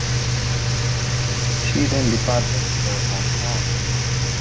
She then departed for Hong Kong.